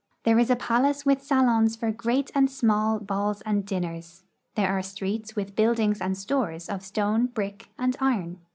There is a palace with salons for great and small balls and dinners. There are streets with buildings and stores of stone, brick, and iron.